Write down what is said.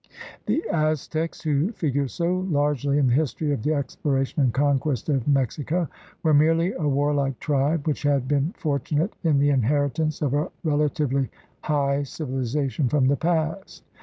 The Aztecs, who figure so largely in the history of the exploration and conquest of Mexico, were merely a warlike tribe which had been fortunate in the inheritance of a relatively high civilization from the past.